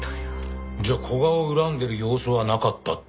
じゃあ古賀を恨んでる様子はなかったって事ですね？